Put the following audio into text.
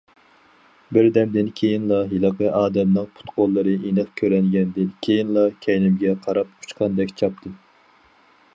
بىردەمدىن كېيىنلا ھېلىقى ئادەمنىڭ پۇت- قوللىرى ئېنىق كۆرۈنگەندىن كېيىنلا كەينىمگە قاراپ ئۇچقاندەك چاپتىم.